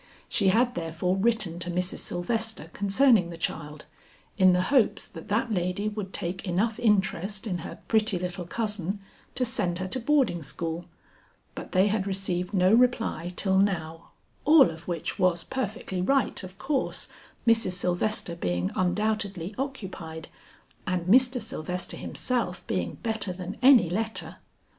She had therefore written to Mrs. Sylvester concerning the child, in the hopes that that lady would take enough interest in her pretty little cousin to send her to boarding school; but they had received no reply till now, all of which was perfectly right of course, Mrs. Sylvester being undoubtedly occupied and Mr. Sylvester himself being better than any letter.